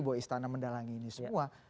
bahwa istana mendalangi ini semua